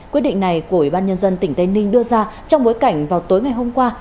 quyết định này của ubnd tỉnh tây ninh đưa ra trong bối cảnh vào tối ngày hôm qua